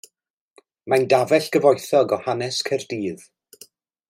Mae'n dafell gyfoethog o hanes Caerdydd.